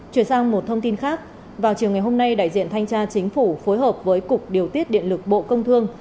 chuyển sang một thông tin khác vào chiều ngày hôm nay đại diện thanh tra chính phủ phối hợp với cục điều tiết điện lực bộ công thương